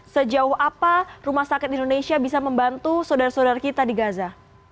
sejauh apa rumah sakit indonesia bisa membantu saudara saudara kita di gaza